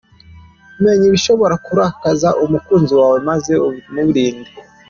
Menya ibishobora kurakaza umukunzi wawe maze ubimurinde.